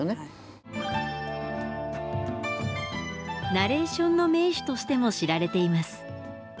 ナレーションの名手としても知られています。